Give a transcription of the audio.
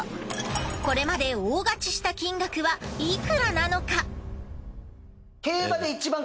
これまで大勝ちした金額はいくらなのか？